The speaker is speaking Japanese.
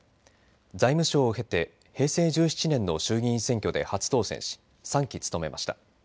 財務省を経て平成１７年の衆議院選挙で初当選し３期、務めました。